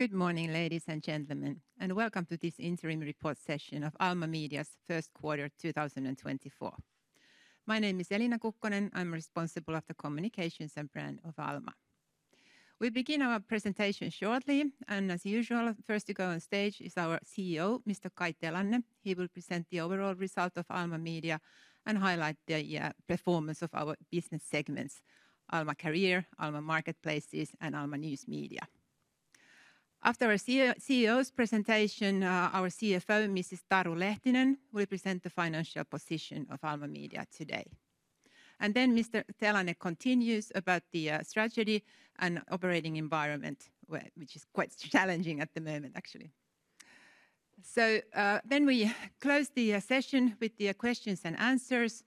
Good morning, ladies and gentlemen, and welcome to this interim report session of Alma Media's first quarter 2024. My name is Elina Kukkonen, I'm responsible for the communications and brand of Alma. We begin our presentation shortly, and as usual, first to go on stage is our CEO, Mr. Kai Telanne. He will present the overall result of Alma Media and highlight the performance of our business segments: Alma Career, Alma Marketplaces, and Alma News Media. After our CEO's presentation, our CFO, Mrs. Taru Lehtinen, will present the financial position of Alma Media today. Then Mr. Telanne continues about the strategy and operating environment, which is quite challenging at the moment, actually. Then we close the session with the questions and answers,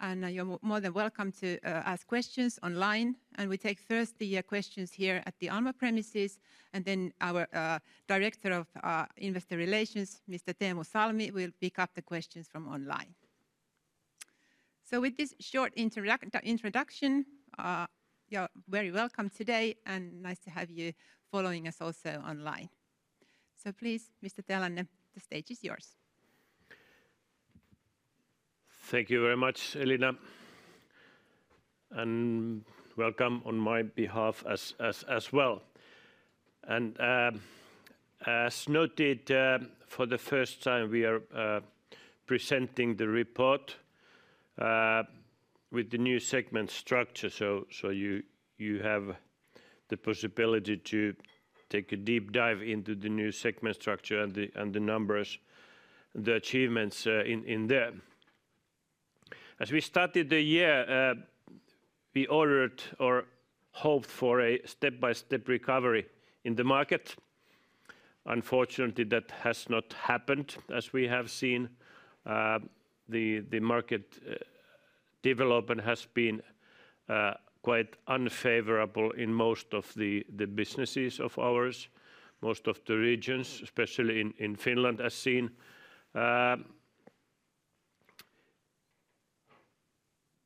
and you're more than welcome to ask questions online. We take first the questions here at the Alma premises, and then our Director of Investor Relations, Mr. Teemu Salmi, will pick up the questions from online. With this short introduction, you're very welcome today, and nice to have you following us also online. Please, Mr. Telanne, the stage is yours. Thank you very much, Elina. Welcome on my behalf as well. As noted, for the first time we are presenting the report with the new segment structure, so you have the possibility to take a deep dive into the new segment structure and the numbers and the achievements in there. As we started the year, we ordered or hoped for a step-by-step recovery in the market. Unfortunately, that has not happened, as we have seen. The market development has been quite unfavorable in most of the businesses of ours, most of the regions, especially in Finland, as seen.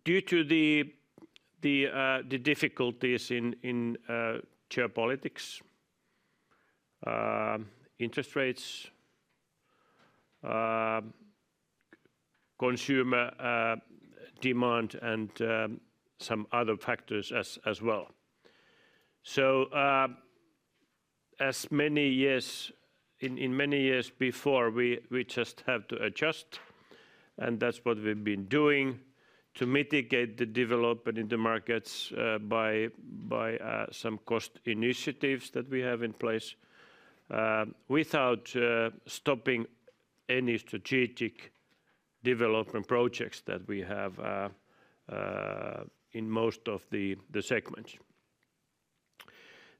Due to the difficulties in geopolitics, interest rates, consumer demand, and some other factors as well. So as many years before, we just had to adjust, and that's what we've been doing to mitigate the development in the markets by some cost initiatives that we have in place without stopping any strategic development projects that we have in most of the segments.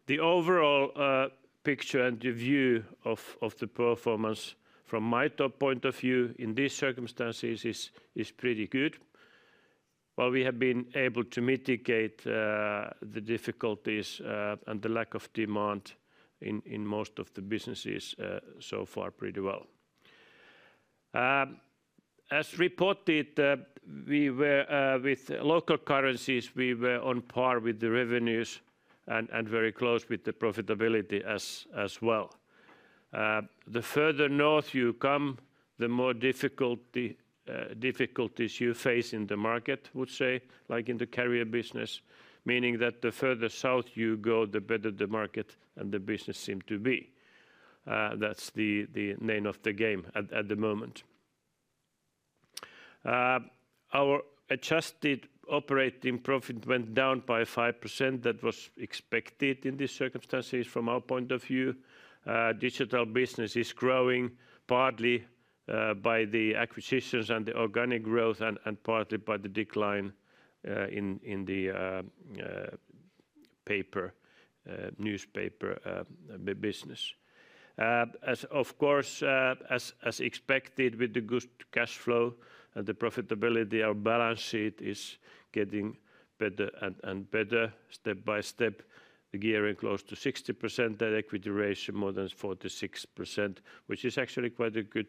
The overall picture and the view of the performance from my point of view in these circumstances is pretty good. Well, we have been able to mitigate the difficulties and the lack of demand in most of the businesses so far pretty well. As reported, with local currencies, we were on par with the revenues and very close with the profitability as well. The further north you come, the more difficulties you face in the market, I would say, like in the Career business, meaning that the further south you go, the better the market and the business seem to be. That's the name of the game at the moment. Our adjusted operating profit went down by 5%. That was expected in these circumstances from our point of view. Digital business is growing partly by the acquisitions and the organic growth and partly by the decline in the paper newspaper business. Of course, as expected, with the good cash flow and the profitability, our balance sheet is getting better and better, step by step. The gearing is close to 60%, the equity ratio more than 46%, which is actually quite a good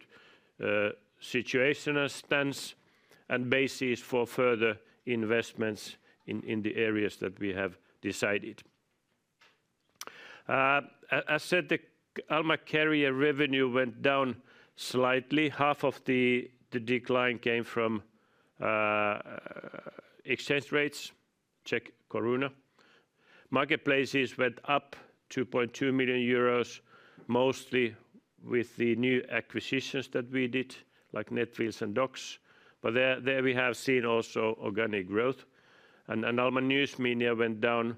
situation as it stands, and basis for further investments in the areas that we have decided. As said, Alma Career revenue went down slightly. Half of the decline came from exchange rates, Czech koruna. Marketplaces went up 2.2 million euros, mostly with the new acquisitions that we did, like Netwheels and Doks. But there we have seen also organic growth. Alma News Media went down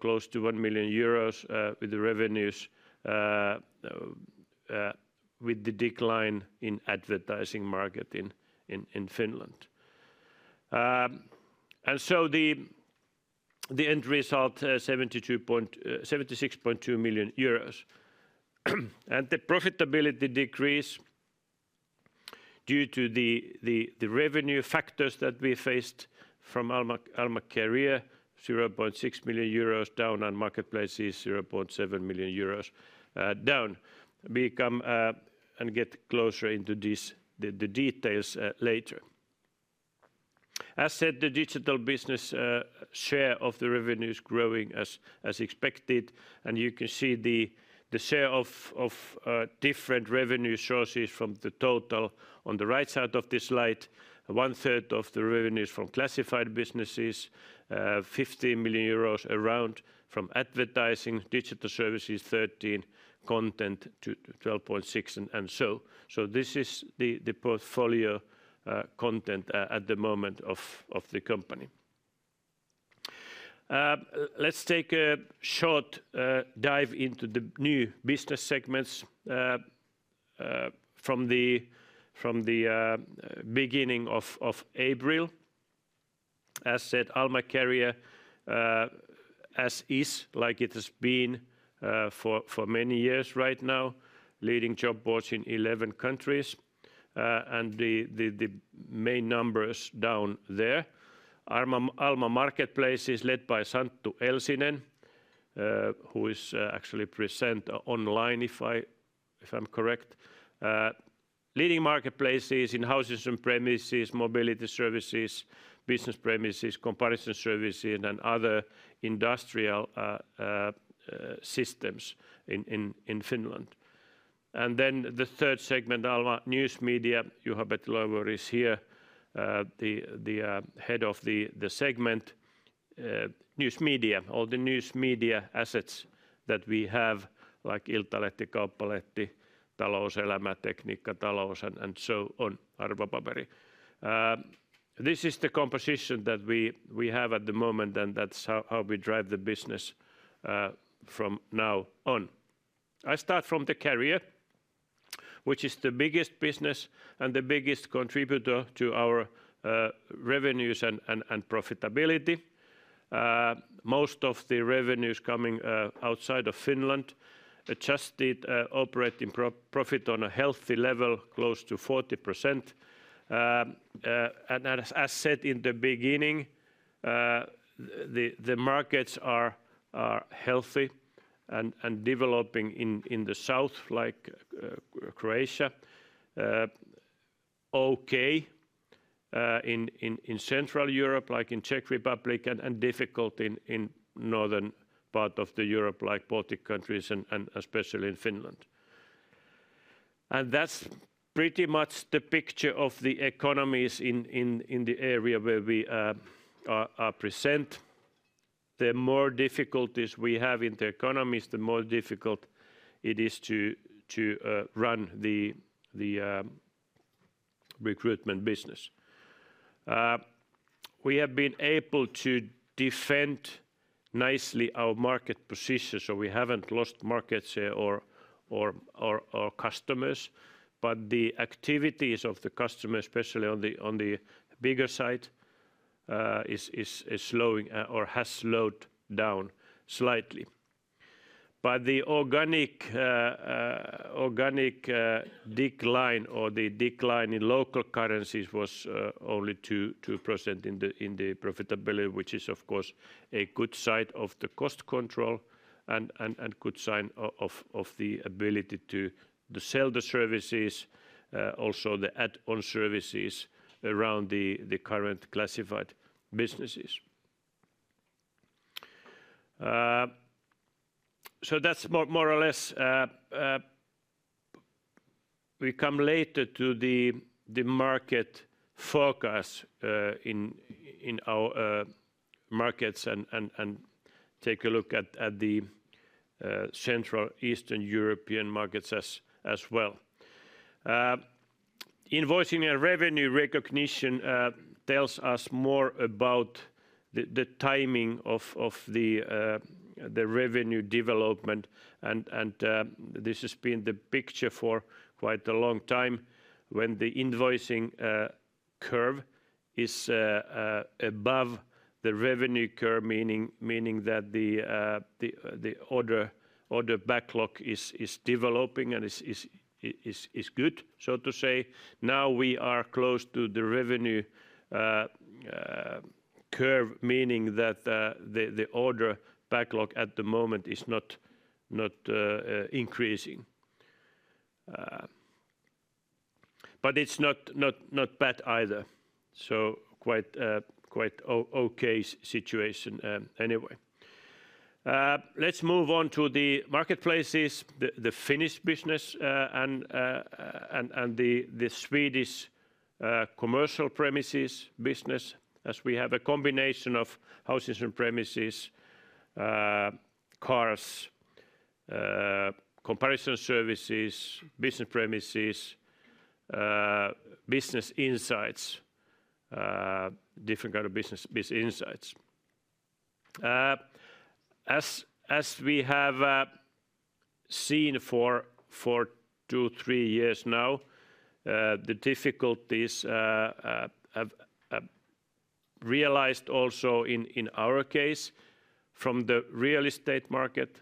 close to 1 million euros with the revenues, with the decline in advertising market in Finland. So the end result is 76.2 million euros. The profitability decreased due to the revenue factors that we faced from Alma Career, 0.6 million euros down, and marketplaces, 0.7 million euros down. We come and get closer into the details later. As said, the digital business share of the revenue is growing as expected, and you can see the share of different revenue sources from the total on the right side of this slide. One third of the revenues from classified businesses, around 15 million euros from advertising, digital services, 13 million, content to 12.6 million, and so. This is the portfolio content at the moment of the company. Let's take a short dive into the new business segments from the beginning of April. As said, Alma Career, as is, like it has been for many years right now, leading job boards in 11 countries and the main numbers down there. Alma Marketplaces is led by Santtu Elsinen, who is actually present online, if I'm correct. Leading marketplaces in housing premises, mobility services, business premises, comparison services, and other industrial systems in Finland. Then the third segment, Alma News Media, Juha-Petri Loimovuori is here, the head of the segment. News Media, all the news media assets that we have, like Iltalehti, Kauppalehti, Talouselämä, Tekniikka&Talous and so on, Arvopaperi. This is the composition that we have at the moment, and that's how we drive the business from now on. I start from the Career, which is the biggest business and the biggest contributor to our revenues and profitability. Most of the revenues coming outside of Finland adjusted operating profit on a healthy level, close to 40%. And as said in the beginning, the markets are healthy and developing in the south, like Croatia, okay, in Central Europe, like in Czech Republic, and difficult in northern part of Europe, like Baltic countries and especially in Finland. And that's pretty much the picture of the economies in the area where we present. The more difficulties we have in the economies, the more difficult it is to run the recruitment business. We have been able to defend nicely our market position, so we haven't lost markets or customers. But the activities of the customers, especially on the bigger side, is slowing or has slowed down slightly. But the organic decline or the decline in local currencies was only 2% in the profitability, which is, of course, a good sign of the cost control and a good sign of the ability to sell the services, also the add-on services around the current classified businesses. So that's more or less. We come later to the market focus in our markets and take a look at the central Eastern European markets as well. Invoicing and revenue recognition tells us more about the timing of the revenue development, and this has been the picture for quite a long time. When the invoicing curve is above the revenue curve, meaning that the order backlog is developing and is good, so to say. Now we are close to the revenue curve, meaning that the order backlog at the moment is not increasing. But it's not bad either. So quite an okay situation anyway. Let's move on to the marketplaces, the Finnish business, and the Swedish commercial premises business, as we have a combination of housing premises, cars, comparison services, business premises, business insights, different kinds of business insights. As we have seen for two-three years now, the difficulties have realized also in our case from the real estate market.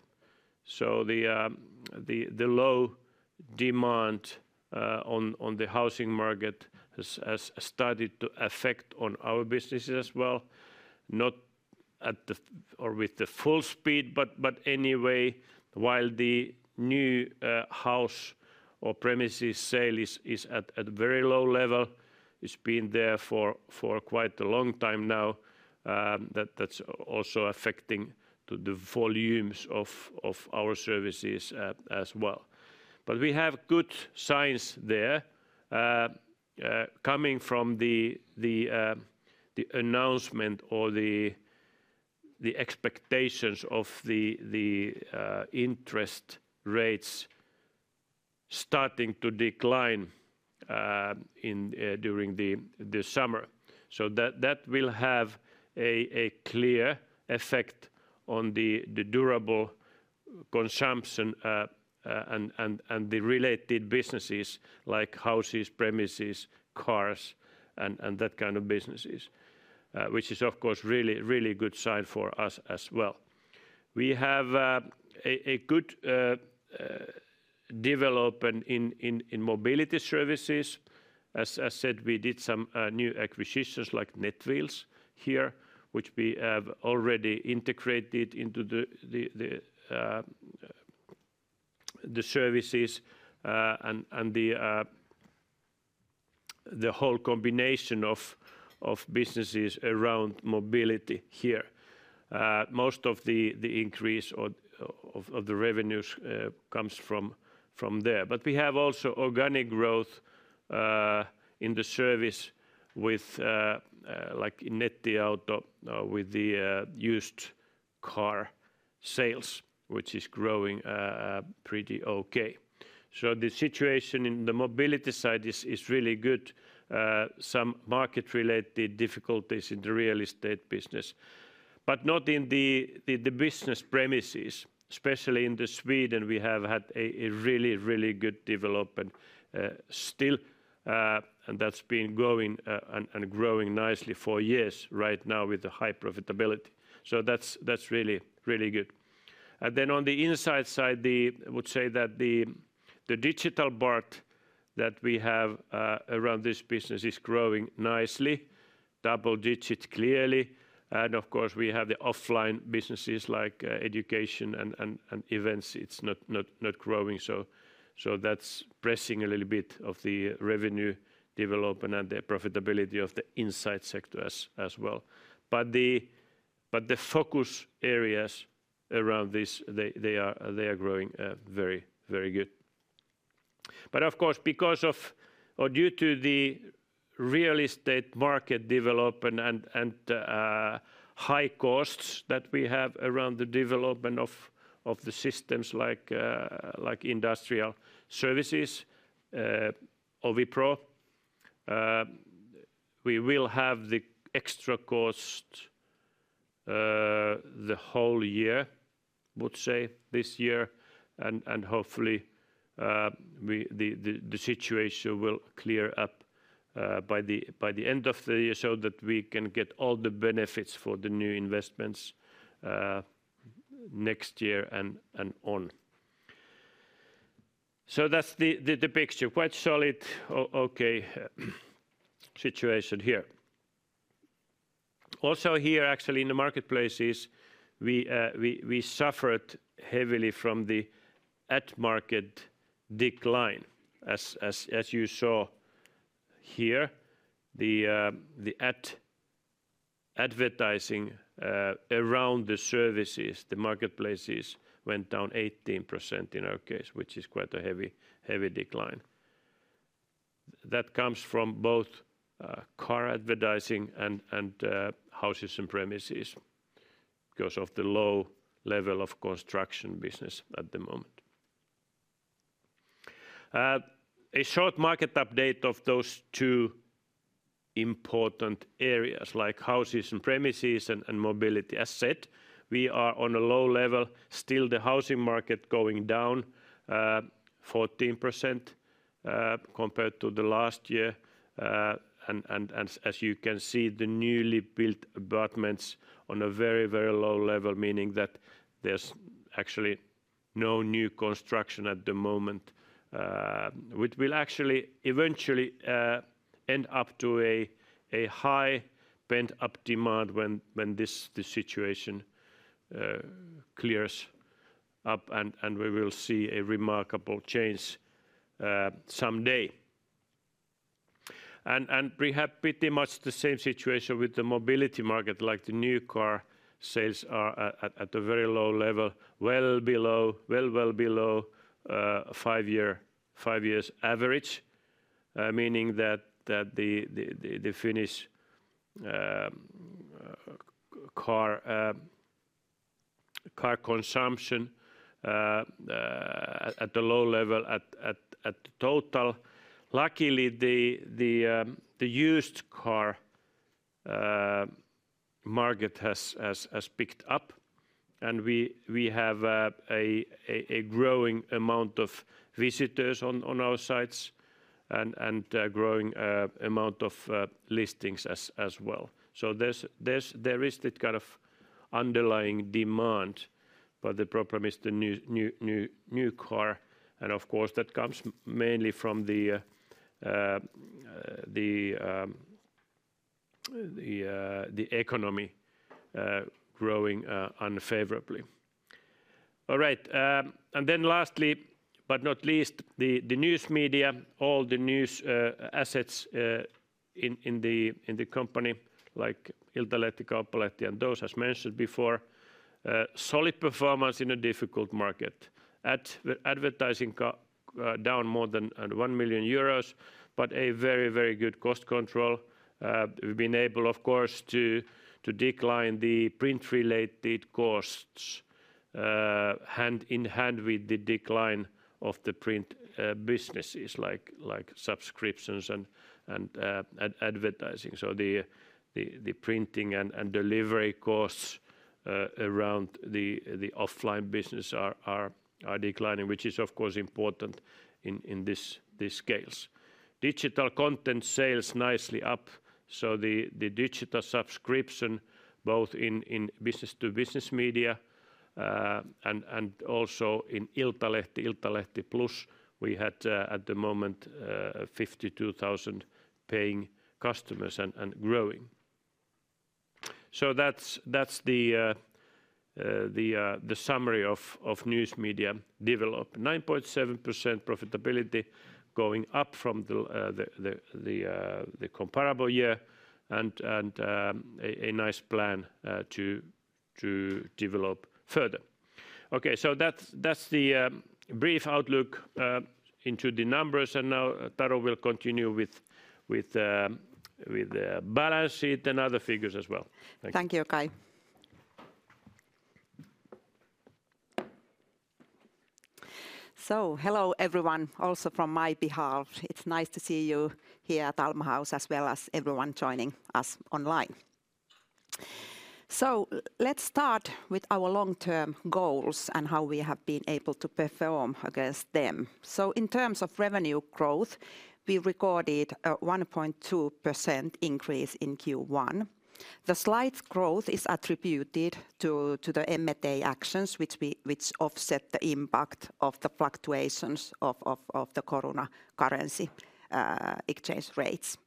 So the low demand on the housing market has started to affect our businesses as well, not at the or with the full speed, but anyway, while the new house or premises sale is at a very low level, it's been there for quite a long time now. That's also affecting the volumes of our services as well. But we have good signs there coming from the announcement or the expectations of the interest rates starting to decline during the summer. So that will have a clear effect on the durable consumption and the related businesses like houses, premises, cars, and that kind of businesses, which is, of course, a really good sign for us as well. We have a good development in mobility services. As said, we did some new acquisitions like Netwheels here, which we have already integrated into the services and the whole combination of businesses around mobility here. Most of the increase of the revenues comes from there. But we have also organic growth in the service with like Nettiauto, with the used car sales, which is growing pretty okay. So the situation in the mobility side is really good. Some market-related difficulties in the real estate business, but not in the business premises. Especially in Sweden, we have had a really, really good development still, and that's been going and growing nicely for years right now with the high profitability. So that's really good. And then on the Insights side, I would say that the digital part that we have around this business is growing nicely, double-digit clearly. And of course, we have the offline businesses like education and events. It's not growing. So that's pressing a little bit of the revenue development and the profitability of the Insights sector as well. But the focus areas around this, they are growing very, very good. But of course, because of or due to the real estate market development and high costs that we have around the development of the systems like industrial services or OviPro, we will have the extra cost the whole year, I would say, this year. Hopefully, the situation will clear up by the end of the year so that we can get all the benefits for the new investments next year and on. So that's the picture. Quite solid, okay, situation here. Also here, actually, in the marketplaces, we suffered heavily from the automotive market decline. As you saw here, the advertising around the services, the marketplaces went down 18% in our case, which is quite a heavy decline. That comes from both car advertising and houses and premises because of the low level of construction business at the moment. A short market update of those two important areas like houses and premises and mobility. As said, we are on a low level. Still, the housing market going down 14% compared to the last year. As you can see, the newly built apartments on a very, very low level, meaning that there's actually no new construction at the moment, which will actually eventually end up to a high pent-up demand when this situation clears up and we will see a remarkable change someday. We have pretty much the same situation with the mobility market, like the new car sales are at a very low level, well below, well, well below five years average, meaning that the Finnish car consumption at a low level at the total. Luckily, the used car market has picked up and we have a growing amount of visitors on our sites and a growing amount of listings as well. So there is that kind of underlying demand, but the problem is the new car. Of course, that comes mainly from the economy growing unfavorably. All right. And then lastly, but not least, the news media, all the news assets in the company, like Iltalehti, Kauppalehti and those, as mentioned before, solid performance in a difficult market. Advertising down more than 1 million euros, but a very, very good cost control. We've been able, of course, to decline the print-related costs hand in hand with the decline of the print businesses like subscriptions and advertising. So the printing and delivery costs around the offline business are declining, which is, of course, important in these scales. Digital content sales nicely up. So the digital subscription, both in business-to-business media and also in Iltalehti, Iltalehti Plus, we had at the moment 52,000 paying customers and growing. So that's the summary of news media development. 9.7% profitability going up from the comparable year and a nice plan to develop further. Okay, so that's the brief outlook into the numbers. Now Taru will continue with the balance sheet and other figures as well. Thank you. Thank you, Kai. Hello everyone, also from my behalf. It's nice to see you here at Alma House as well as everyone joining us online. Let's start with our long-term goals and how we have been able to perform against them. In terms of revenue growth, we recorded a 1.2% increase in Q1. The slight growth is attributed to the M&A actions, which offset the impact of the fluctuations of the koruna currency exchange rates.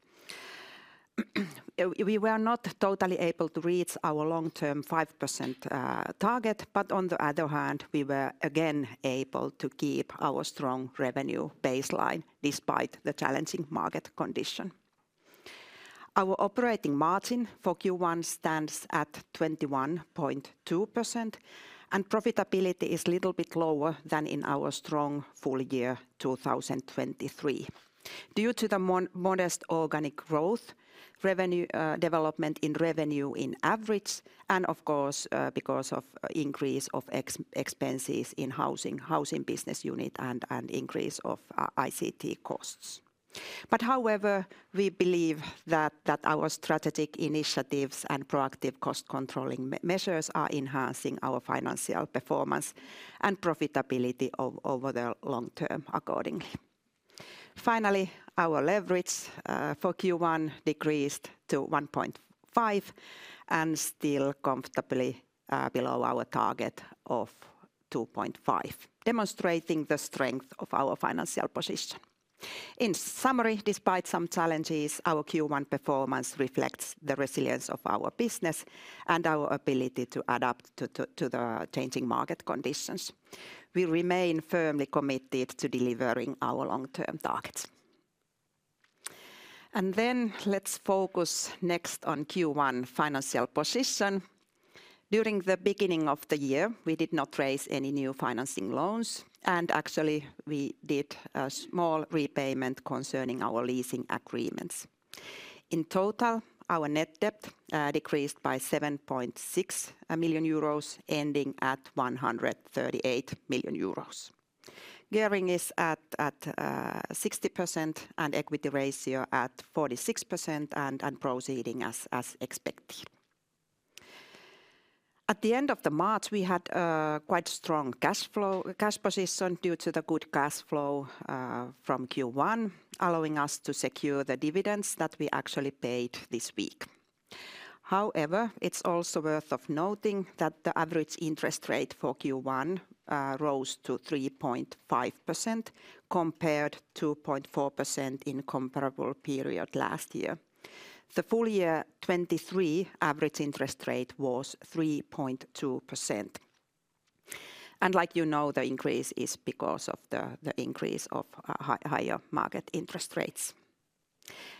We were not totally able to reach our long-term 5% target, but on the other hand, we were again able to keep our strong revenue baseline despite the challenging market condition. Our operating margin for Q1 stands at 21.2% and profitability is a little bit lower than in our strong full year 2023. Due to the modest organic growth, development in revenue in average, and of course, because of the increase of expenses in housing, housing business unit, and increase of ICT costs. But however, we believe that our strategic initiatives and proactive cost controlling measures are enhancing our financial performance and profitability over the long term accordingly. Finally, our leverage for Q1 decreased to 1.5% and still comfortably below our target of 2.5%, demonstrating the strength of our financial position. In summary, despite some challenges, our Q1 performance reflects the resilience of our business and our ability to adapt to the changing market conditions. We remain firmly committed to delivering our long-term targets. Then let's focus next on Q1 financial position. During the beginning of the year, we did not raise any new financing loans and actually we did a small repayment concerning our leasing agreements. In total, our net debt decreased by 7.6 million euros, ending at 138 million euros. Gearing is at 60% and equity ratio at 46% and proceeding as expected. At the end of March, we had quite strong cash flow cash position due to the good cash flow from Q1, allowing us to secure the dividends that we actually paid this week. However, it's also worth noting that the average interest rate for Q1 rose to 3.5% compared to 2.4% in the comparable period last year. The full year 2023 average interest rate was 3.2%. Like you know, the increase is because of the increase of higher market interest rates.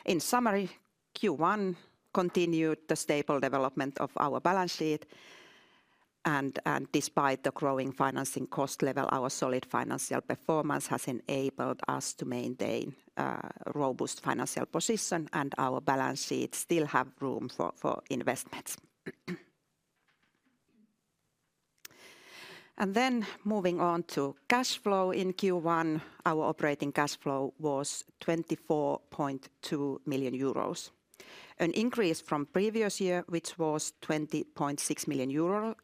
In summary, Q1 continued the stable development of our balance sheet. Despite the growing financing cost level, our solid financial performance has enabled us to maintain a robust financial position and our balance sheet still has room for investments. Then moving on to cash flow in Q1, our operating cash flow was 24.2 million euros. An increase from the previous year, which was 20.6 million euro.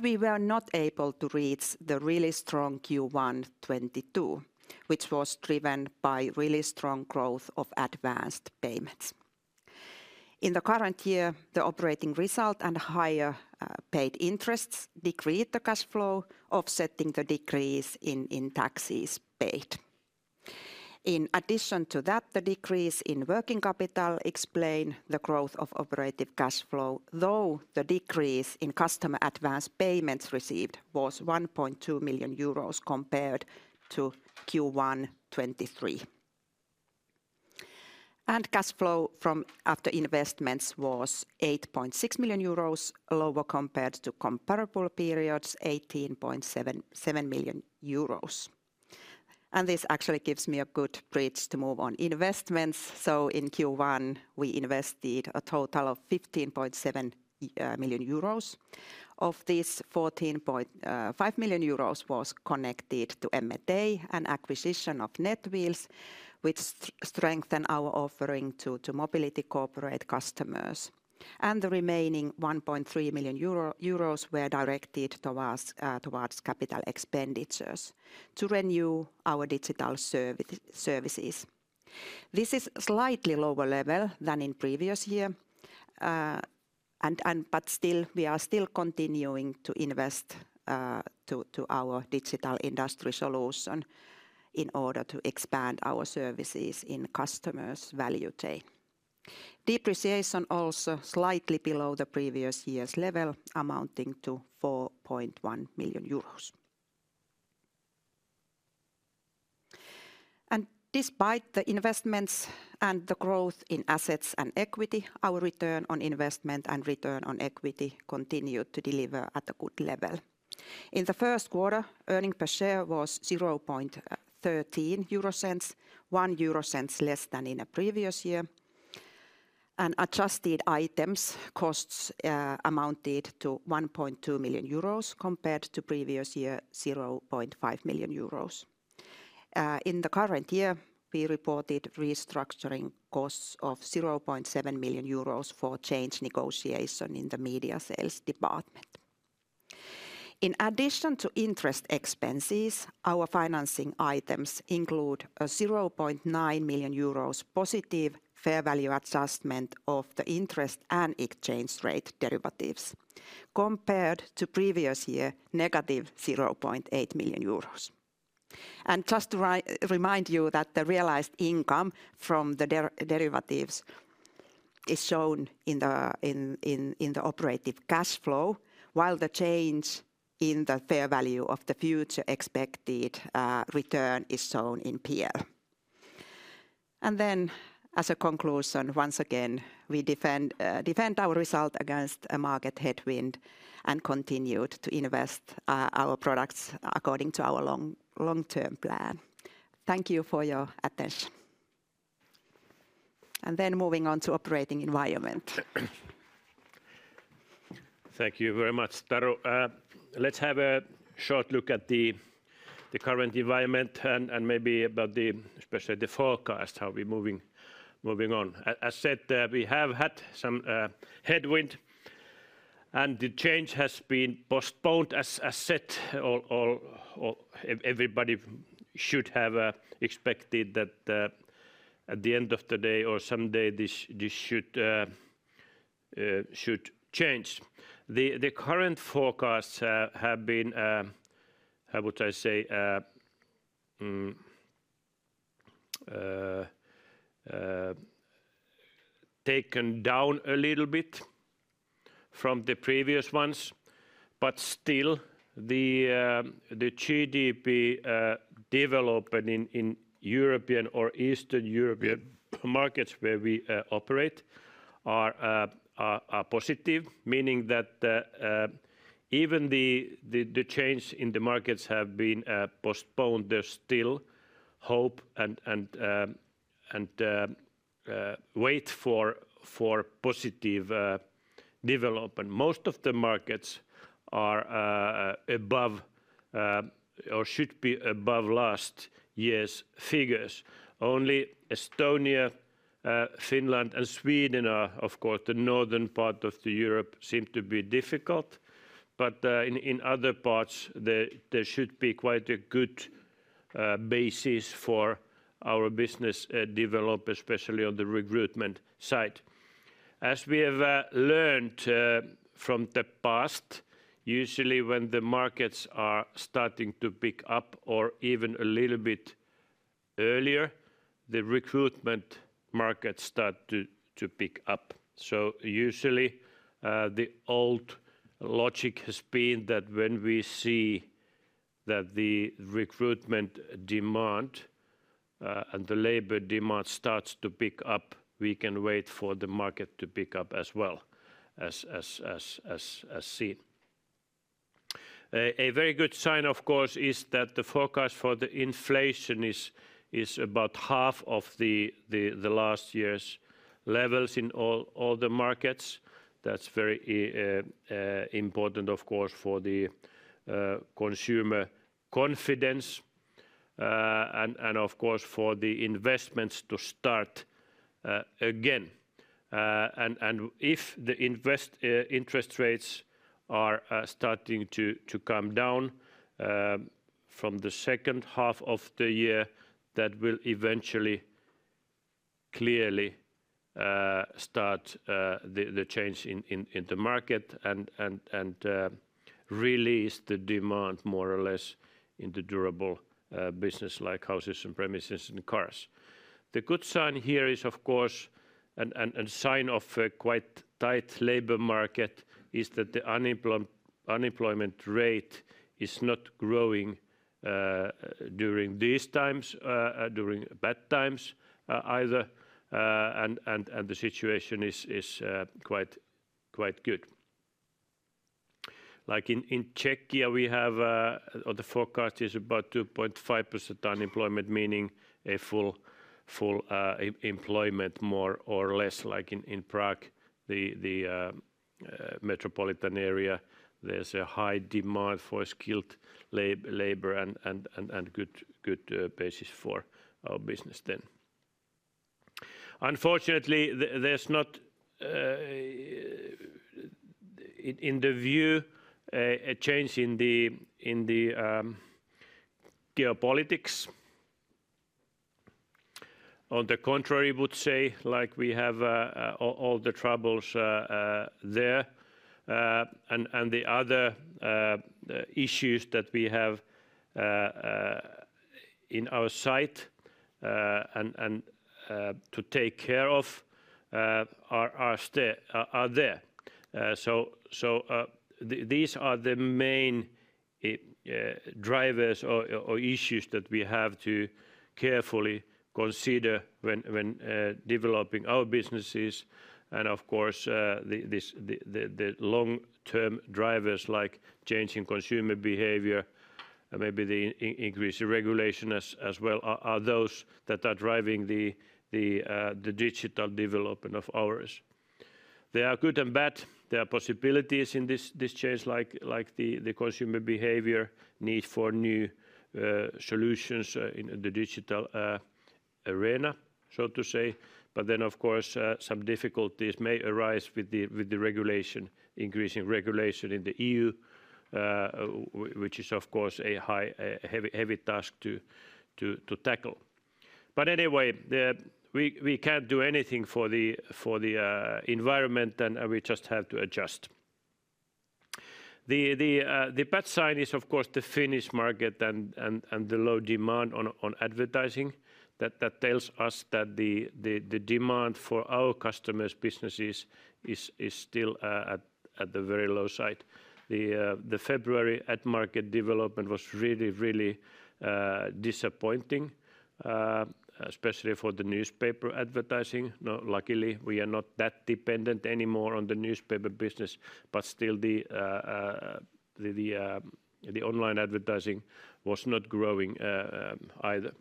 We were not able to reach the really strong Q1 2022, which was driven by really strong growth of advanced payments. In the current year, the operating result and higher paid interests decreased the cash flow, offsetting the decrease in taxes paid. In addition to that, the decrease in working capital explained the growth of operative cash flow, though the decrease in customer advanced payments received was 1.2 million euros compared to Q1 2023. Cash flow from after investments was 8.6 million euros, lower compared to comparable periods, 18.7 million euros. This actually gives me a good bridge to move on to investments. In Q1, we invested a total of 15.7 million euros. Of this, 14.5 million euros was connected to M&A and acquisition of Netwheels, which strengthened our offering to mobility corporate customers. The remaining 1.3 million euro were directed towards capital expenditures to renew our digital services. This is slightly lower level than in the previous year. But still, we are still continuing to invest to our digital industry solution in order to expand our services in customers' value chain. Depreciation also slightly below the previous year's level, amounting to 4.1 million euros. And despite the investments and the growth in assets and equity, our return on investment and return on equity continued to deliver at a good level. In the first quarter, earnings per share was 0.13, 0.1 less than in the previous year. And adjusted items costs amounted to 1.2 million euros compared to the previous year, 0.5 million euros. In the current year, we reported restructuring costs of 0.7 million euros for change negotiation in the media sales department. In addition to interest expenses, our financing items include a 0.9 million euros positive fair value adjustment of the interest and exchange rate derivatives compared to the previous year, -0.8 million euros. And just to remind you that the realized income from the derivatives is shown in the operative cash flow, while the change in the fair value of the future expected return is shown in P&L. And then as a conclusion, once again, we defend our result against a market headwind and continue to invest our products according to our long-term plan. Thank you for your attention. And then moving on to the operating environment. Thank you very much, Taru. Let's have a short look at the current environment and maybe about, especially, the forecast, how we're moving on. As said, we have had some headwind and the change has been postponed, as said. All or everybody should have expected that at the end of the day or someday this should change. The current forecasts have been, how would I say, taken down a little bit from the previous ones. But still, the GDP development in European or Eastern European markets where we operate are positive, meaning that even the change in the markets has been postponed, there's still hope and wait for positive development. Most of the markets are above or should be above last year's figures. Only Estonia, Finland, and Sweden are, of course, the northern part of Europe seem to be difficult. But in other parts, there should be quite a good basis for our business development, especially on the recruitment side. As we have learned from the past, usually when the markets are starting to pick up or even a little bit earlier, the recruitment markets start to pick up. So usually the old logic has been that when we see that the recruitment demand and the labor demand starts to pick up, we can wait for the market to pick up as well as seen. A very good sign, of course, is that the forecast for the inflation is about half of the last year's levels in all the markets. That's very important, of course, for the consumer confidence. Of course, for the investments to start again. If the interest rates are starting to come down from the second half of the year, that will eventually clearly start the change in the market and release the demand more or less in the durable business like houses and premises and cars. The good sign here is, of course, and a sign of a quite tight labor market is that the unemployment rate is not growing during these times, during bad times either. The situation is quite good. Like in Czechia, we have or the forecast is about 2.5% unemployment, meaning a full employment more or less. Like in Prague, the metropolitan area, there's a high demand for skilled labor and good basis for our business then. Unfortunately, there's not in the view a change in the geopolitics. On the contrary, I would say, like we have all the troubles there. The other issues that we have in our sight and to take care of are there. These are the main drivers or issues that we have to carefully consider when developing our businesses. Of course, the long-term drivers like changing consumer behavior, maybe the increased regulation as well, are those that are driving the digital development of ours. They are good and bad. There are possibilities in this change, like the consumer behavior, need for new solutions in the digital arena, so to say. But then, of course, some difficulties may arise with the regulation, increasing regulation in the EU, which is, of course, a high heavy task to tackle. But anyway, we can't do anything for the environment and we just have to adjust. The bad sign is, of course, the Finnish market and the low demand on advertising. That tells us that the demand for our customers' businesses is still at the very low side. The February ad market development was really, really disappointing, especially for the newspaper advertising. Luckily, we are not that dependent anymore on the newspaper business, but still the online advertising was not growing either.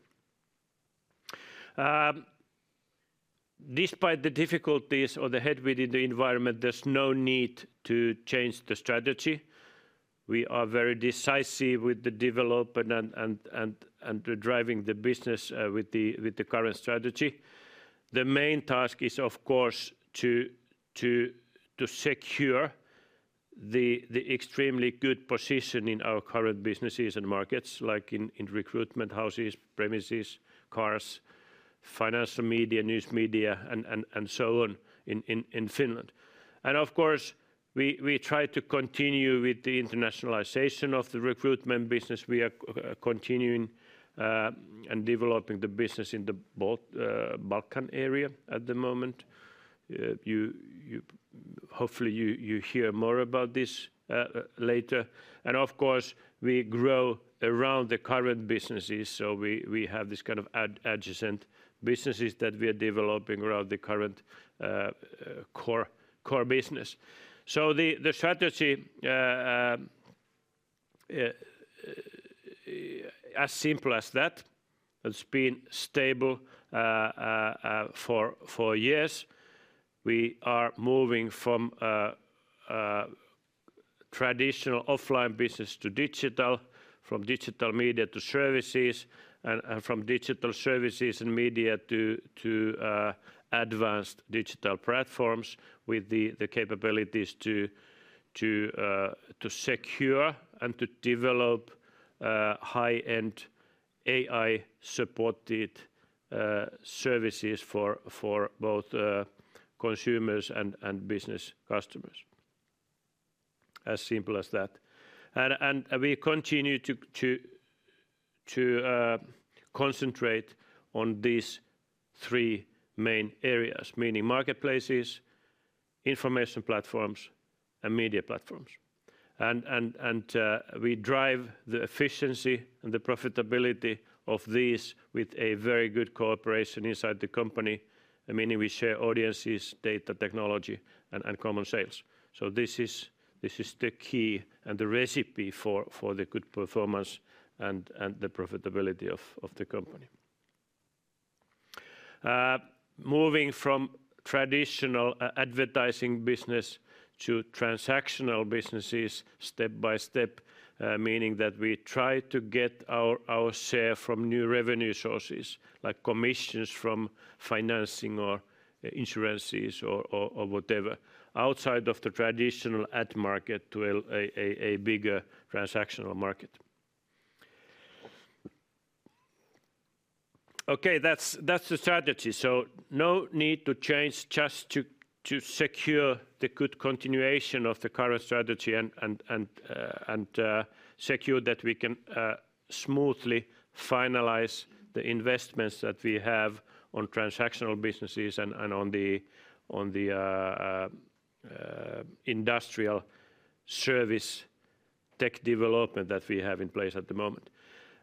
Despite the difficulties or the headwind in the environment, there's no need to change the strategy. We are very decisive with the developer and driving the business with the current strategy. The main task is, of course, to secure the extremely good position in our current businesses and markets, like in recruitment, houses, premises, cars, financial media, news media, and so on in Finland. Of course, we try to continue with the internationalization of the recruitment business. We are continuing and developing the business in the Balkans area at the moment. Hopefully, you hear more about this later. Of course, we grow around the current businesses. We have this kind of adjacent businesses that we are developing around the current core business. The strategy, as simple as that, has been stable for years. We are moving from traditional offline business to digital, from digital media to services, and from digital services and media to advanced digital platforms with the capabilities to secure and to develop high-end AI-supported services for both consumers and business customers. As simple as that. We continue to concentrate on these three main areas, meaning marketplaces, information platforms, and media platforms. We drive the efficiency and the profitability of these with a very good cooperation inside the company, meaning we share audiences, data, technology, and common sales. This is the key and the recipe for the good performance and the profitability of the company. Moving from traditional advertising business to transactional businesses step by step, meaning that we try to get our share from new revenue sources, like commissions from financing or insurances or whatever, outside of the traditional ad market to a bigger transactional market. Okay, that's the strategy. No need to change, just to secure the good continuation of the current strategy and secure that we can smoothly finalize the investments that we have on transactional businesses and on the industrial service tech development that we have in place at the moment.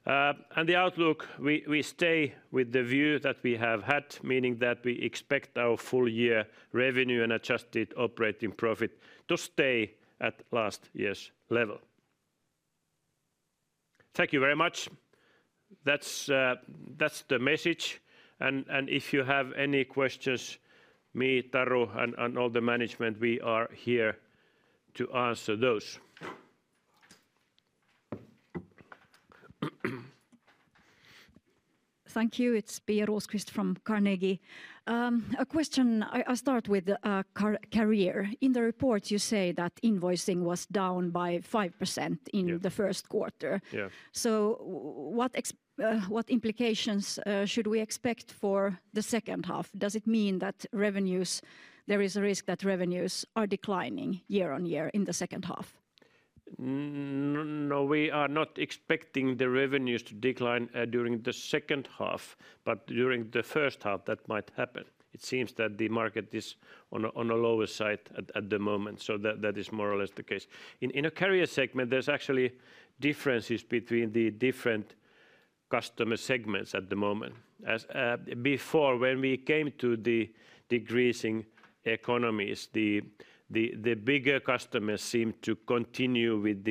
The outlook, we stay with the view that we have had, meaning that we expect our full year revenue and adjusted operating profit to stay at last year's level. Thank you very much. That's the message. And if you have any questions, me, Taru, and all the management, we are here to answer those. Thank you. It's Pia Rosqvist from Carnegie. A question. I start with a career. In the report, you say that invoicing was down by 5% in the first quarter. So what implications should we expect for the second half? Does it mean that revenues, there is a risk that revenues are declining year-on-year in the second half? No, we are not expecting the revenues to decline during the second half, but during the first half that might happen. It seems that the market is on the lower side at the moment. So that is more or less the case. In a career segment, there's actually differences between the different customer segments at the moment. As before, when we came to the decreasing economies, the bigger customers seemed to continue with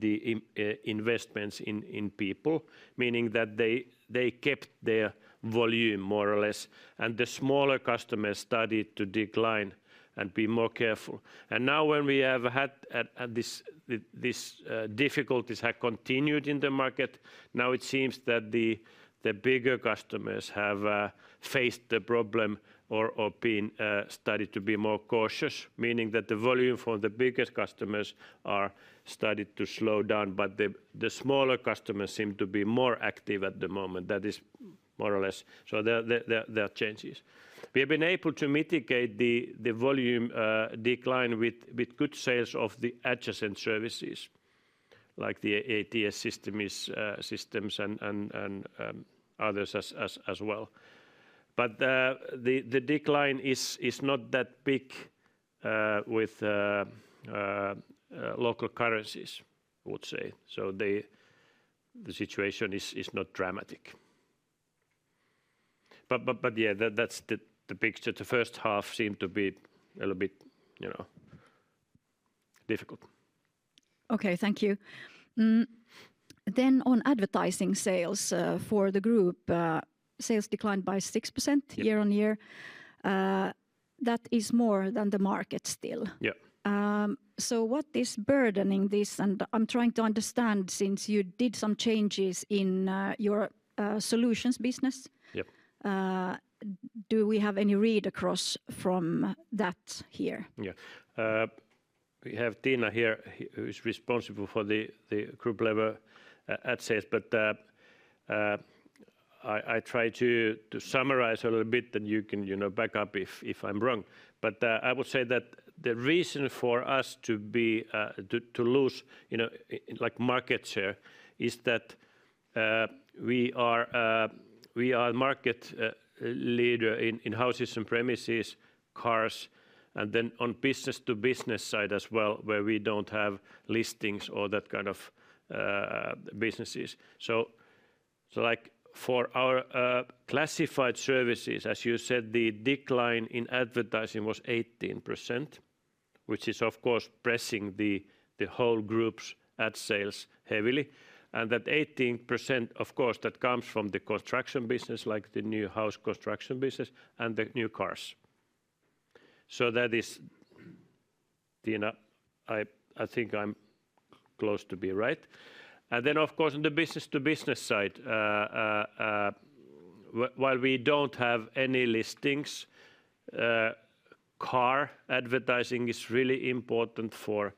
the investments in people, meaning that they kept their volume more or less. And the smaller customers started to decline and be more careful. And now when we have had these difficulties have continued in the market, now it seems that the bigger customers have faced the problem or been started to be more cautious, meaning that the volume for the biggest customers are started to slow down, but the smaller customers seem to be more active at the moment. That is more or less, so there are changes. We have been able to mitigate the volume decline with good sales of the adjacent services, like the ATS systems and others as well. But the decline is not that big with local currencies, I would say. So the situation is not dramatic. But yeah, that's the picture. The first half seemed to be a little bit difficult. Okay, thank you. Then on advertising sales for the group, sales declined by 6% year-on-year. That is more than the market still. Yeah. So what is burdening this? And I'm trying to understand since you did some changes in your solutions business. Yeah. Do we have any read across from that here? Yeah. We have Tiina here who is responsible for the group level ad sales. But I try to summarize a little bit and you can back up if I'm wrong. But I would say that the reason for us to lose you know like market share is that we are a market leader in houses and premises, cars, and then on business to business side as well, where we don't have listings or that kind of businesses. So like for our classified services, as you said, the decline in advertising was 18%, which is of course pressing the whole group's ad sales heavily. And that 18%, of course, that comes from the construction business, like the new house construction business and the new cars. So that is, Tiina, I think I'm close to being right. And then, of course, on the business to business side, while we don't have any listings, car advertising is really important for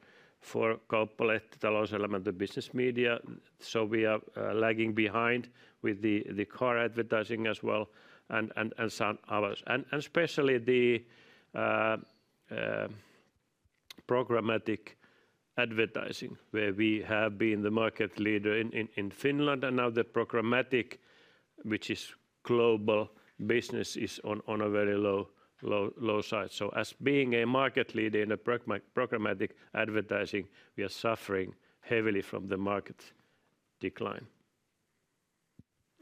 Kauppalehti, Talouselämä, the business media. So we are lagging behind with the car advertising as well and some others, and especially the programmatic advertising, where we have been the market leader in Finland. And now the programmatic, which is global business, is on a very low side. So as being a market leader in the programmatic advertising, we are suffering heavily from the market decline.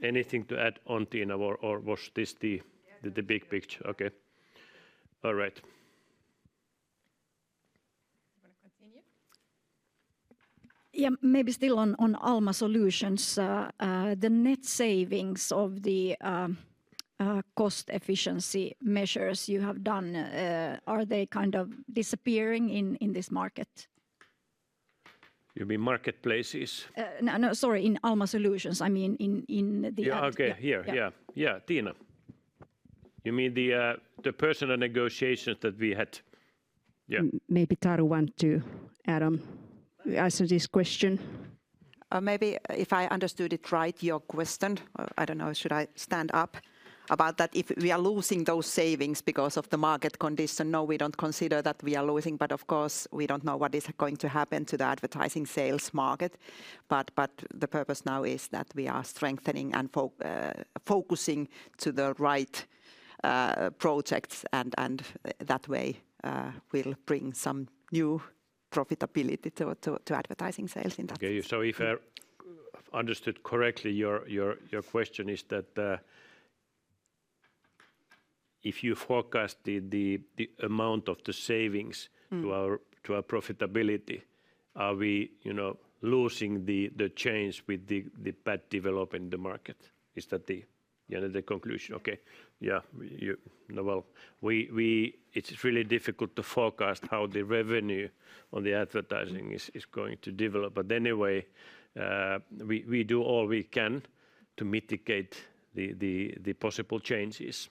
Anything to add on, Tiina, or was this the big picture? Okay. All right. Do you want to continue? Yeah, maybe still on Alma Solutions. The net savings of the cost efficiency measures you have done, are they kind of disappearing in this market? You mean marketplaces? No, sorry, in Alma Solutions. I mean in the ads. Yeah, okay, here. Yeah, Tiina. You mean the personal negotiations that we had? Yeah. Maybe Taru wants to add on as to this question. Maybe if I understood it right, your question, I don't know, should I stand up about that? If we are losing those savings because of the market condition, no, we don't consider that we are losing. But of course, we don't know what is going to happen to the advertising sales market. But the purpose now is that we are strengthening and focusing to the right projects. And that way will bring some new profitability to advertising sales in that sense. Okay, so if I understood correctly, your question is that if you forecast the amount of the savings to our profitability, are we losing the change with the bad developing in the market? Is that the conclusion? Okay. Yeah. You know, well, we it's really difficult to forecast how the revenue on the advertising is going to develop. But anyway, we do all we can to mitigate the possible changes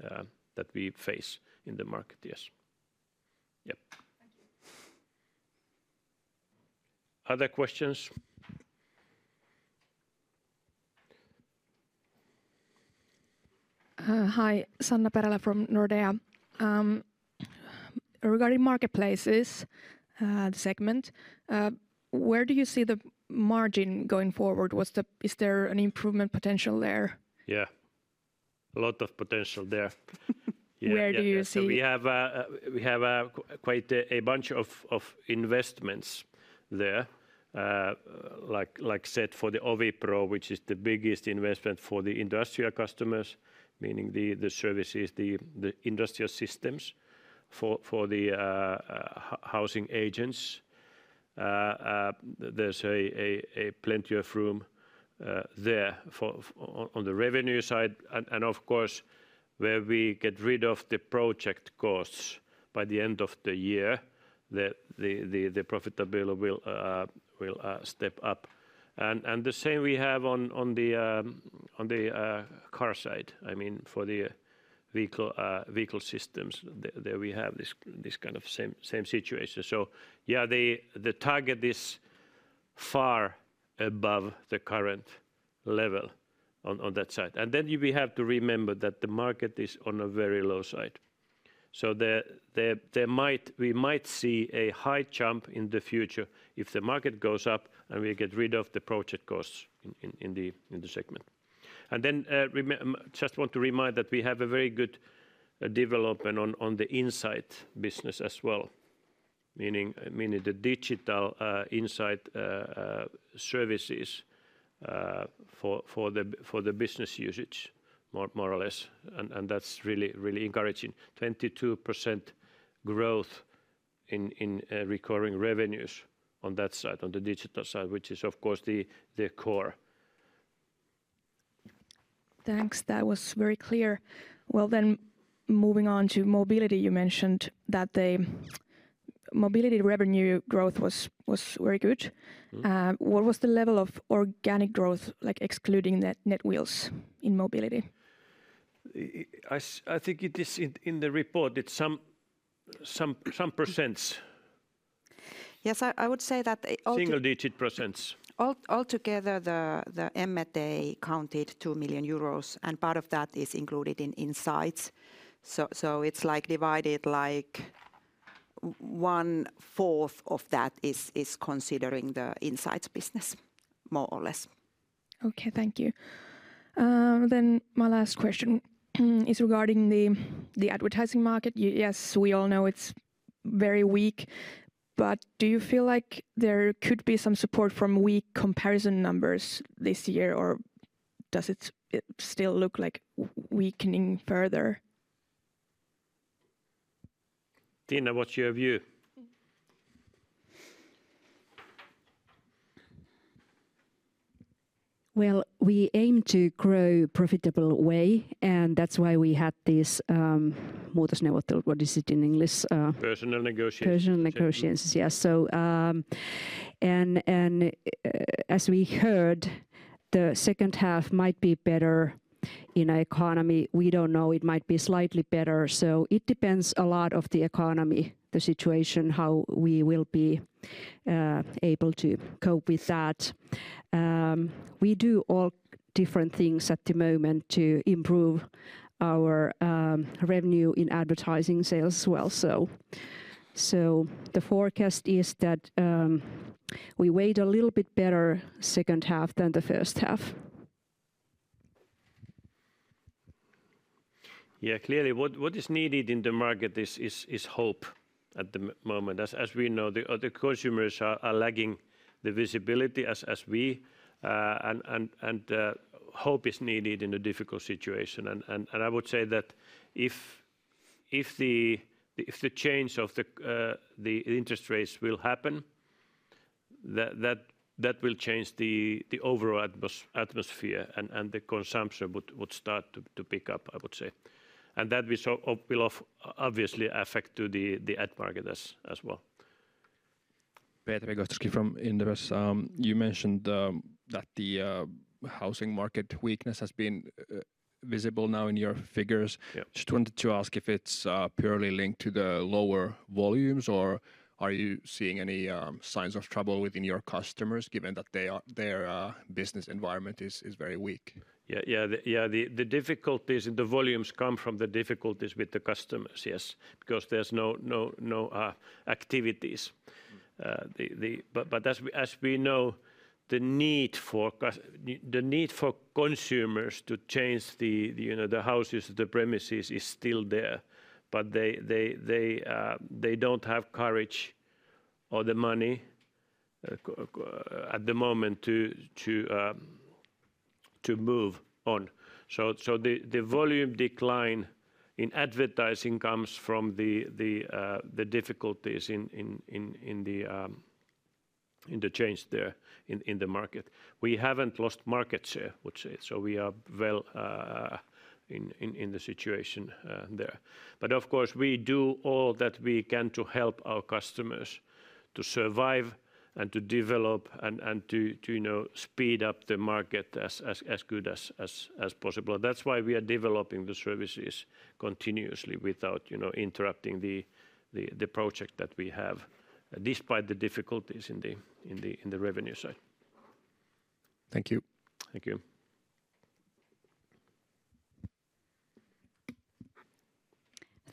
that we face in the market. Yes. Yep. Thank you. Other questions? Hi, Sanna Perälä from Nordea. Regarding marketplaces, the segment, where do you see the margin going forward? Is there an improvement potential there? Yeah. A lot of potential there. Where do you see it? So we have quite a bunch of investments there. Like said for the OviPro, which is the biggest investment for the industrial customers, meaning the services, the industrial systems for the housing agents. There's plenty of room there on the revenue side. And of course, where we get rid of the project costs by the end of the year, the profitability will step up. And the same we have on the car side. I mean, for the vehicle systems, there we have this kind of same situation. So yeah, the target is far above the current level on that side. And then we have to remember that the market is on a very low side. So we might see a high jump in the future if the market goes up and we get rid of the project costs in the segment. And then I just want to remind that we have a very good development on the ad sales business as well, meaning the digital ad services for the business usage, more or less. And that's really encouraging. 22% growth in recurring revenues on that side, on the digital side, which is of course the core. Thanks. That was very clear. Well then, moving on to mobility, you mentioned that the mobility revenue growth was very good. What was the level of organic growth, like excluding Netwheels in mobility? I think it is in the report, it's some percent. Yes, I would say that. Single-digit percent. Altogether, the M&A counted 2 million euros. And part of that is included in insights. So it's like divided like one fourth of that is considering the insights business, more or less. Okay, thank you. Then my last question is regarding the advertising market. Yes, we all know it's very weak. But do you feel like there could be some support from weak comparison numbers this year? Or does it still look like weakening further? Tiina, what's your view? Well, we aim to grow profitable way. And that's why we had this [Foreign language}, what is it in English? Personal negotiations. Personal negotiations, yes. And as we heard, the second half might be better in our economy. We don't know. It might be slightly better. It depends a lot on the economy, the situation, how we will be able to cope with that. We do all different things at the moment to improve our revenue in advertising sales as well. The forecast is that we wait a little bit better second half than the first half. Yeah, clearly. What is needed in the market is hope at the moment. As we know, the consumers are lagging the visibility as we. And hope is needed in a difficult situation. And I would say that if the change of the interest rates will happen, that will change the overall atmosphere and the consumption would start to pick up, I would say. And that will obviously affect the ad market as well. Petri Gostowski from Inderes. You mentioned that the housing market weakness has been visible now in your figures. Just wanted to ask if it's purely linked to the lower volumes or are you seeing any signs of trouble within your customers, given that their business environment is very weak? Yeah, yeah, yeah. The difficulties in the volumes come from the difficulties with the customers, yes, because there's no activities. But as we know, the need for consumers to change the houses or the premises is still there. But they don't have courage or the money at the moment to move on. So the volume decline in advertising comes from the difficulties in the change there in the market. We haven't lost market share, I would say. So we are well in the situation there. But of course, we do all that we can to help our customers to survive and to develop and to speed up the market as good as possible. That's why we are developing the services continuously without interrupting the project that we have, despite the difficulties in the revenue side. Thank you.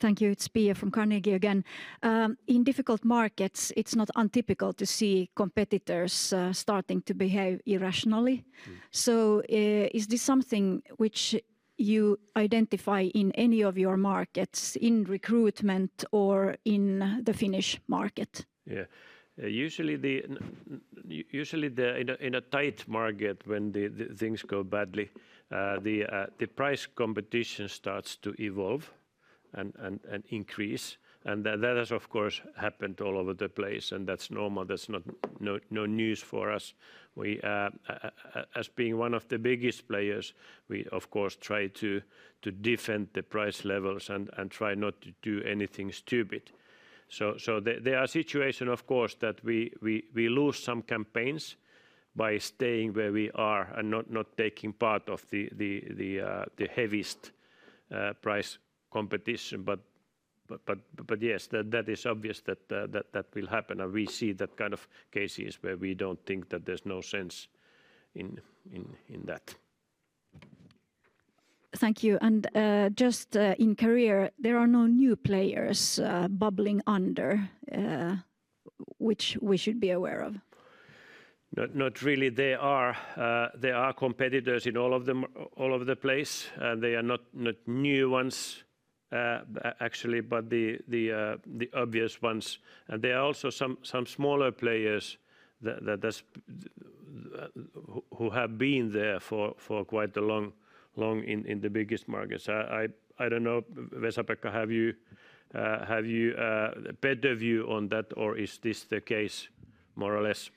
Thank you. Thank you. It's Pia from Carnegie again. In difficult markets, it's not untypical to see competitors starting to behave irrationally. So is this something which you identify in any of your markets, in recruitment or in the Finnish market? Yeah. Usually in a tight market, when things go badly, the price competition starts to evolve and increase. And that has, of course, happened all over the place. And that's normal. That's not news for us. As being one of the biggest players, we, of course, try to defend the price levels and try not to do anything stupid. So there are situations, of course, that we lose some campaigns by staying where we are and not taking part of the heaviest price competition. But yes, that is obvious that that will happen. And we see that kind of cases where we don't think that there's no sense in that. Thank you. And just in career, there are no new players bubbling under, which we should be aware of? Not really. There are competitors in all of the place. And they are not new ones, actually, but the obvious ones. And there are also some smaller players that have been there for quite a long in the biggest markets. I don't know, Vesa-Pekka, have you a better view on that or is this the case, more or less?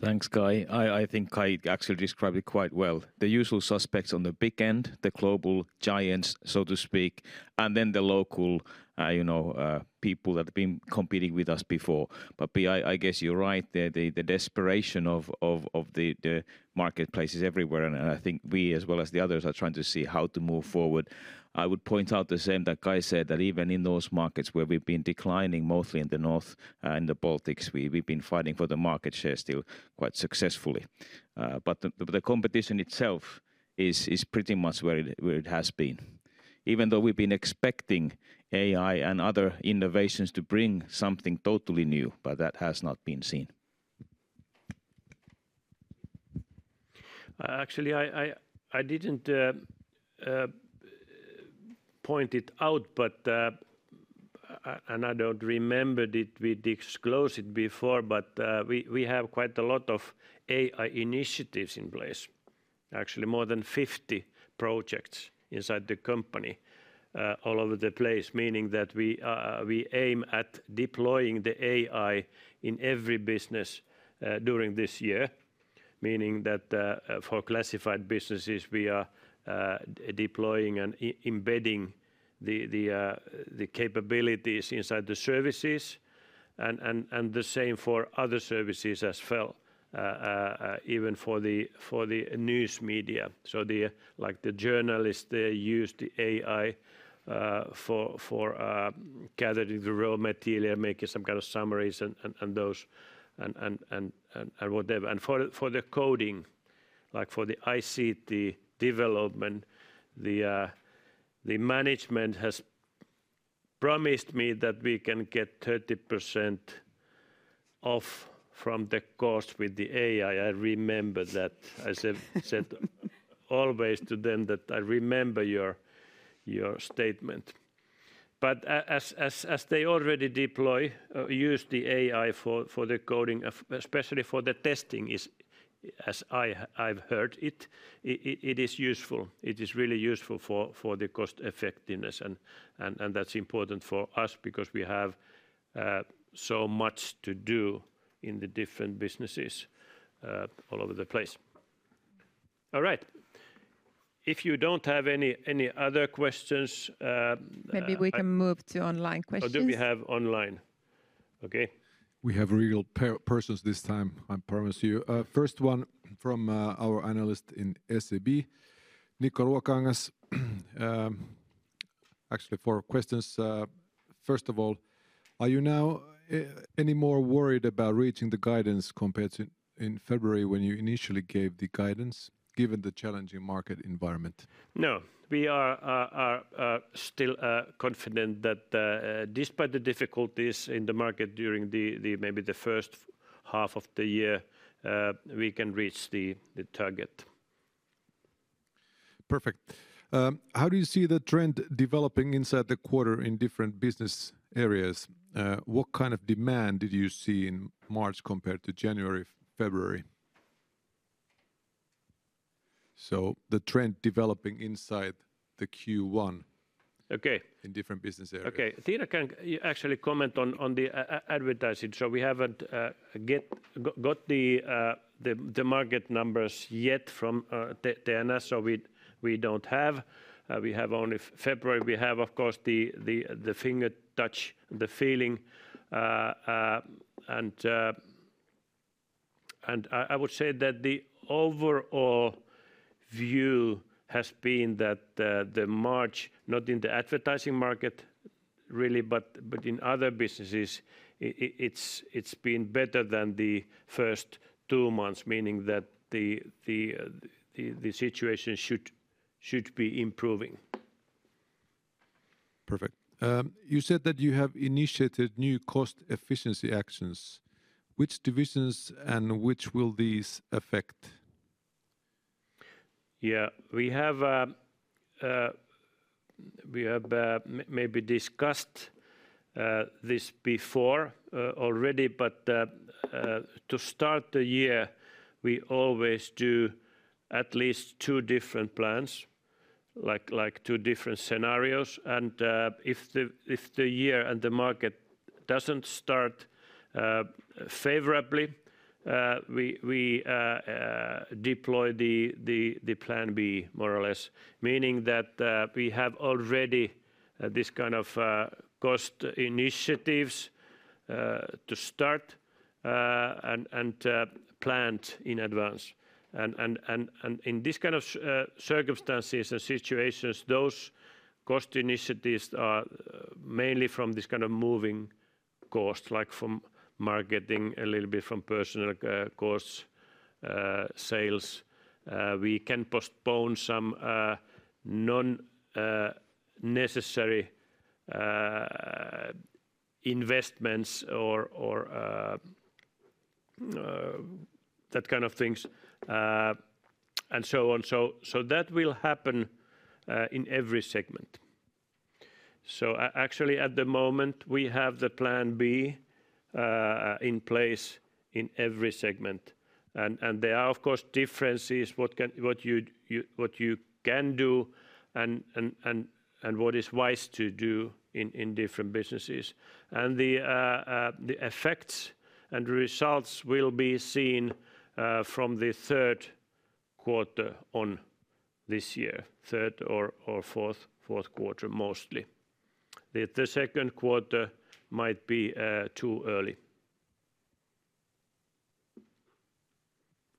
Thanks, Kai. I think Kai actually described it quite well. The usual suspects on the big end, the global giants, so to speak, and then the local you know people that have been competing with us before. But Pia, I guess you're right. The desperation of the marketplace is everywhere. I think we, as well as the others, are trying to see how to move forward. I would point out the same that Kai said, that even in those markets where we've been declining, mostly in the north, in the Baltics, we've been fighting for the market share still quite successfully. But the competition itself is pretty much where it has been, even though we've been expecting AI and other innovations to bring something totally new. But that has not been seen. Actually, I didn't point it out, but. I don't remember, did we disclose it before, but we have quite a lot of AI initiatives in place, actually, more than 50 projects inside the company all over the place, meaning that we aim at deploying the AI in every business during this year, meaning that for classified businesses, we are deploying and embedding the capabilities inside the services. And the same for other services as well, even for the news media. So like the journalists, they use the AI for gathering the raw material, making some kind of summaries and those and whatever. And for the coding, like for the ICT development, the management has promised me that we can get 30% off from the cost with the AI. I remember that. I said always to them that I remember your statement. But as they already deploy, use the AI for the coding, especially for the testing, as I've heard it, it is useful. It is really useful for cost effectiveness. And that's important for us because we have so much to do in the different businesses all over the place. All right. If you don't have any other questions. Maybe we can move to online questions. Do we have online? Okay. We have real persons this time, I promise you. First one from our analyst in SEB, Niko Ruokangas. Actually, four questions. First of all, are you now any more worried about reaching the guidance compared to in February when you initially gave the guidance, given the challenging market environment? No. We are still confident that despite the difficulties in the market during maybe the first half of the year, we can reach the target. Perfect. How do you see the trend developing inside the quarter in different business areas? What kind of demand did you see in March compared to January, February? So the trend developing inside the Q1 in different business areas. Okay. Tiina, can you actually comment on the advertising? So we haven't got the market numbers yet from Tiina, so we don't have. We have only February. We have, of course, the finger touch, the feeling. And I would say that the overall view has been that the March, not in the advertising market really, but in other businesses, it's been better than the first two months, meaning that the situation should be improving. Perfect. You said that you have initiated new cost efficiency actions. Which divisions and which will these affect? Yeah, we have. We have maybe discussed this before already, but to start the year, we always do at least two different plans, like two different scenarios. If the year and the market doesn't start favorably, we deploy the Plan B, more or less, meaning that we have already this kind of cost initiatives to start and planned in advance. In this kind of circumstances and situations, those cost initiatives are mainly from this kind of variable costs, like from marketing, a little bit from personnel costs, sales. We can postpone some non-necessary investments or that kind of things. And so on. That will happen in every segment. Actually, at the moment, we have the Plan B in place in every segment. There are, of course, differences, what you can do and what is wise to do in different businesses. The effects and results will be seen from the third quarter on this year, third or fourth quarter mostly. The second quarter might be too early.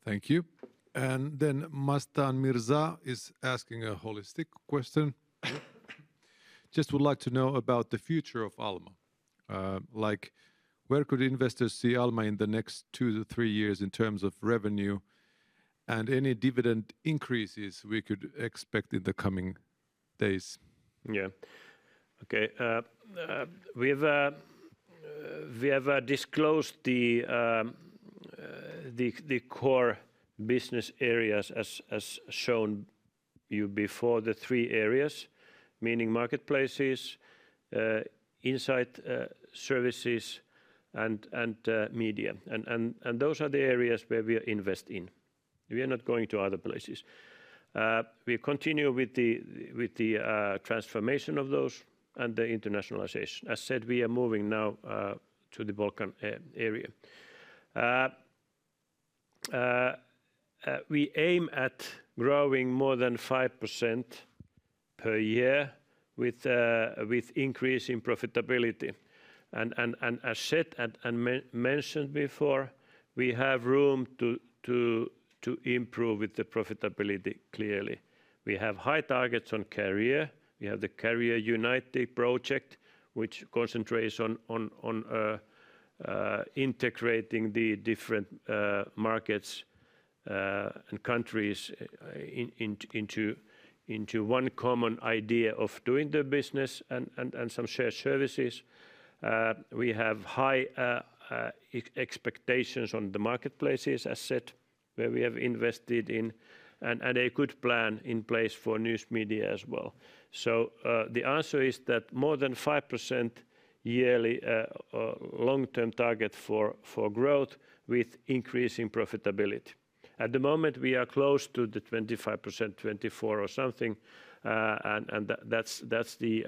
Thank you. And then Mastan Mirza is asking a holistic question. Just would like to know about the future of Alma. Like, where could investors see Alma in the next two to three years in terms of revenue and any dividend increases we could expect in the coming days? Yeah. Okay. We have disclosed the core business areas as shown you before, the three areas, meaning marketplaces, digital services, and media. And those are the areas where we invest in. We are not going to other places. We continue with the transformation of those and the internationalization. As said, we are moving now to the Balkans. We aim at growing more than 5% per year with an increase in profitability. And as said and mentioned before, we have room to improve with the profitability, clearly. We have high targets on career. We have the Career United project, which concentrates on integrating the different markets and countries into one common idea of doing the business and some shared services. We have high expectations on the marketplaces, as said, where we have invested in, and a good plan in place for news media as well. So the answer is that more than 5% yearly long-term target for growth with increasing profitability. At the moment, we are close to the 25%, 24% or something. And that's not the.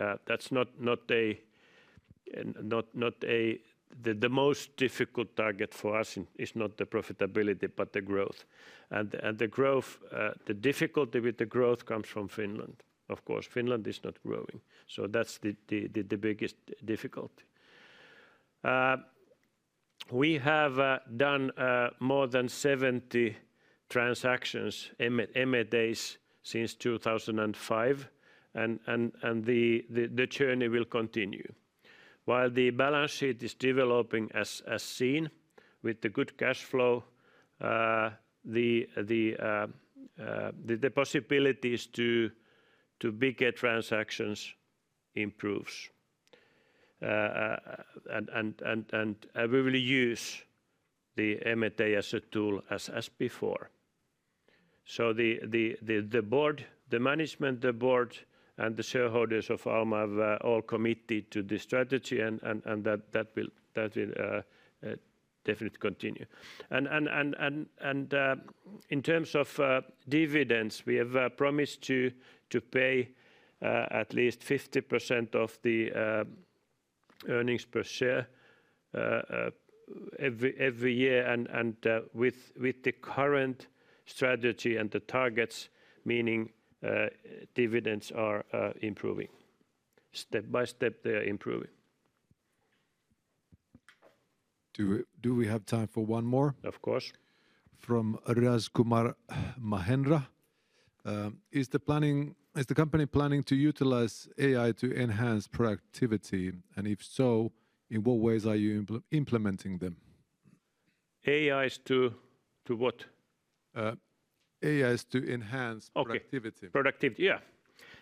The most difficult target for us is not the profitability, but the growth. And the difficulty with the growth comes from Finland, of course. Finland is not growing. So that's the biggest difficulty. We have done more than 70 M&A deals since 2005. The journey will continue. While the balance sheet is developing as seen with the good cash flow, the possibilities to bigger transactions improve. We will use the M&A day as a tool as before. The board, the management, the board, and the shareholders of Alma have all committed to this strategy. That will definitely continue. In terms of dividends, we have promised to pay at least 50% of the earnings per share every year. With the current strategy and the targets, meaning dividends are improving. Step by step, they are improving. Do we have time for one more? Of course. From Rajkumar Mahendra. Is the company planning to utilize AI to enhance productivity? And if so, in what ways are you implementing them? AI is to what? AI is to enhance productivity. Okay. Productivity, yeah.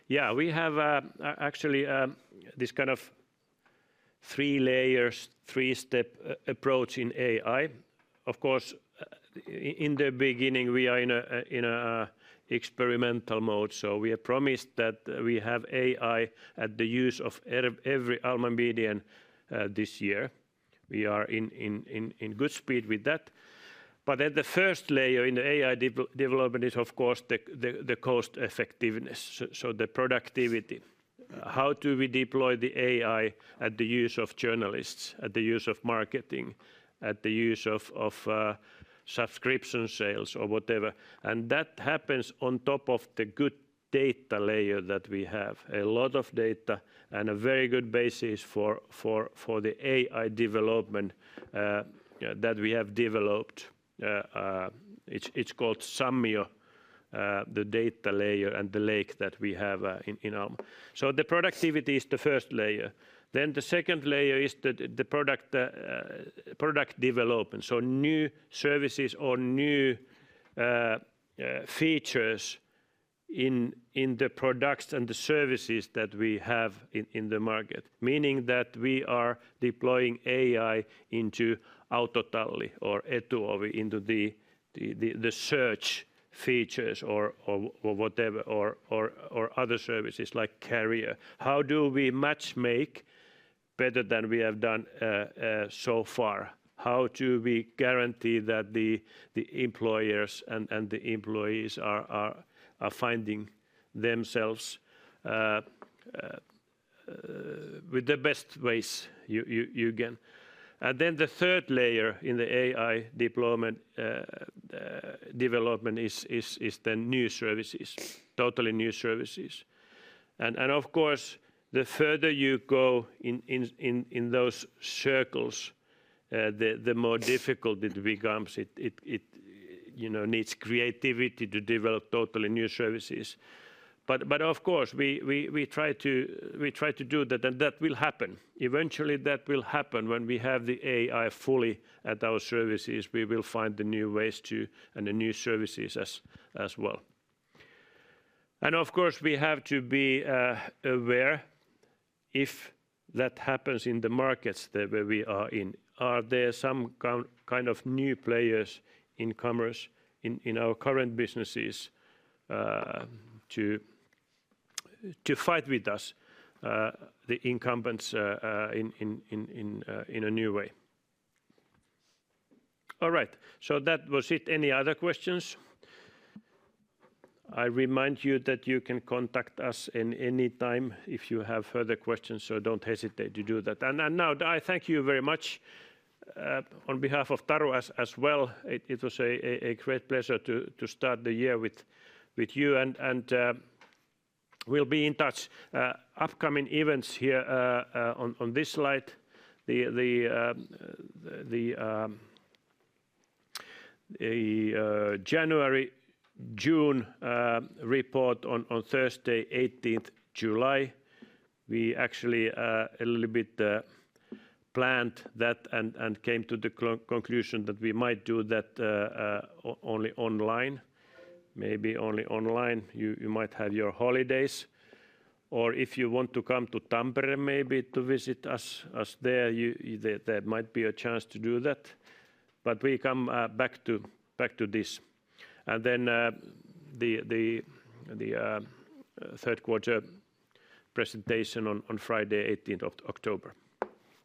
Yeah, we have actually this kind of three layers, three-step approach in AI. Of course, in the beginning, we are in an experimental mode. So we have promised that we have AI at the use of every Alma Media employee this year. We are in good speed with that. But then the first layer in the AI development is, of course, the cost effectiveness, so the productivity. How do we deploy the AI at the use of journalists, at the use of marketing, at the use of subscription sales or whatever? And that happens on top of the good data layer that we have, a lot of data and a very good basis for the AI development that we have developed. It's called Sammio, the data layer and the lake that we have in Alma. So the productivity is the first layer. Then the second layer is the product development, so new services or new features in the products and the services that we have in the market, meaning that we are deploying AI into Autotalli or Etuovi, into the search features or whatever, or other services like Career. How do we match-make better than we have done so far? How do we guarantee that the employers and the employees are finding themselves with the best ways you can? Then the third layer in the AI development is then new services, totally new services. Of course, the further you go in those circles, the more difficult it becomes. It needs creativity to develop totally new services. But of course, we try to do that, and that will happen. Eventually, that will happen when we have the AI fully at our services. We will find the new ways to and the new services as well. Of course, we have to be aware if that happens in the markets where we are in, are there some kind of new players in commerce in our current businesses to fight with us, the incumbents, in a new way? All right. So that was it. Any other questions? I remind you that you can contact us at any time if you have further questions. Don't hesitate to do that. Now I thank you very much on behalf of Taru as well. It was a great pleasure to start the year with you. We'll be in touch. Upcoming events here on this slide, the January-June report on Thursday, 18th July. We actually a little bit planned that and came to the conclusion that we might do that only online. Maybe only online. You might have your holidays. Or if you want to come to Tampere, maybe to visit us there, there might be a chance to do that. But we come back to this. And then the third quarter presentation on Friday, 18th October.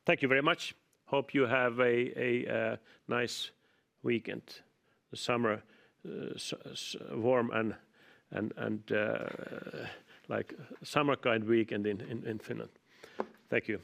Thank you very much. Hope you have a nice weekend, the summer, warm and like summer kind weekend in Finland. Thank you.